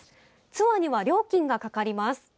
ツアーには料金がかかります。